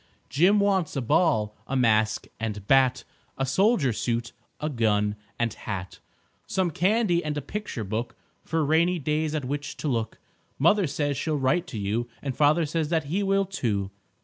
Jim wants a ball, a mask and bat, A soldier suit, a gun and hat, Some candy and a picture book For rainy days at which to look. Mother says she'll write to you, And father says that he will, too.